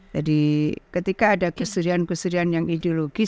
jadi ketika ada gusturian gusturian yang ideologis